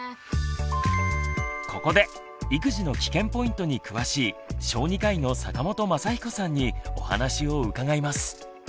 ここで育児のキケンポイントに詳しい小児科医の坂本昌彦さんにお話を伺います。